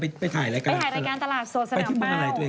ไปขายรายการ